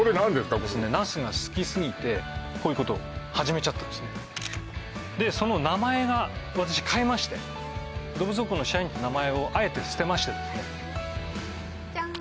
那須が好きすぎてこういうことを始めちゃったんですでその名前が私変えましてどうぶつ王国の支配人って名前をあえて捨てましてですねジャーン